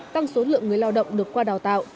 tăng số lượng người lao động được qua đào tạo